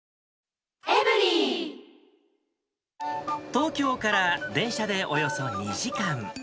東京から電車でおよそ２時間。